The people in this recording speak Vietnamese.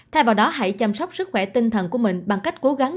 thay vào đó hãy chăm sóc sức khỏe tinh thần của mình bằng cách cố gắng